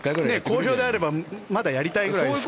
好評であればまだやりたいぐらいですけど。